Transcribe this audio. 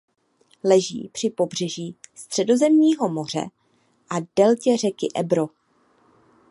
Leží při pobřeží Středozemního moře a deltě řeky Ebro.